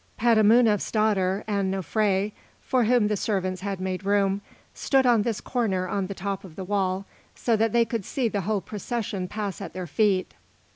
Petamounoph's daughter and Nofré, for whom the servants had made room, stood on this corner on the top of the wall, so that they could see the whole procession pass at their feet.